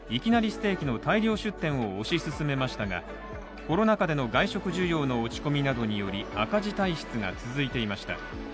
ステーキの大量出店を推し進めましたがコロナ禍での外食需要の落ち込みなどにより赤字体質が続いていました。